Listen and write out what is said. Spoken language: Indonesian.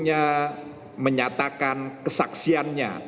hanya menyatakan kesaksiannya